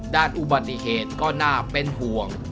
ด้านอุบัติเหตุก็น่าเป็นห่วง